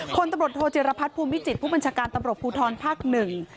คนตำรวจโทจิรพัฒน์ภูมิจิตผู้บัญชาการตำรวจภูทรภาคหนึ่ง